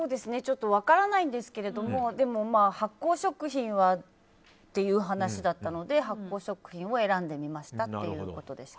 分からないんですけど発酵食品はっていう話だったので発酵食品を選んでみましたということです。